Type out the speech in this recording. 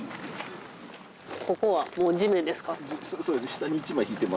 ここはもう地面ですか？